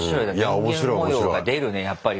人間模様が出るねやっぱり。